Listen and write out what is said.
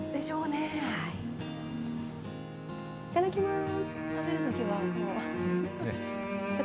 いただきます。